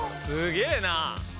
すげぇな！